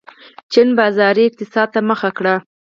چین بازاري اقتصاد ته مخه کړه.